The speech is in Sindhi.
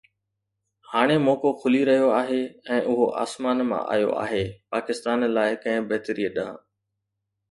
ھاڻي موقعو کُلي رھيو آھي، ۽ اھو آسمان مان آيو آھي، پاڪستان لاءِ ڪنھن بھتريءَ ڏانھن.